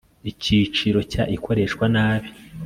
Icyiciro cya Ikoreshwa nabi